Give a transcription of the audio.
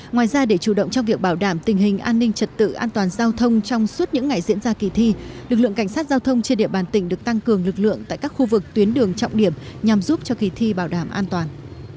ngoài ra để chủ động trong việc bảo đảm tình hình an ninh trật tự an toàn giao thông trong suốt những ngày diễn ra kỳ thi lực lượng cảnh sát giao thông trên địa bàn tỉnh được tăng cường lực lượng tại các khu vực tuyến đường trọng điểm nhằm giúp cho kỳ thi bảo đảm an toàn